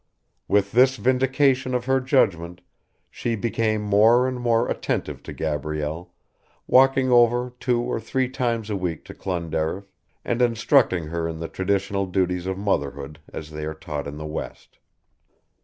With this vindication of her judgment she became more and more attentive to Gabrielle, walking over two or three times a week to Clonderriff and instructing her in the traditional duties of motherhood as they are taught in the west.